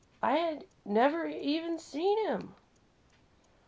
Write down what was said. I had never even seen him."